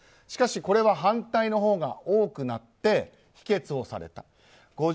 しかし、これは反対のほうが多くなって否決をされた。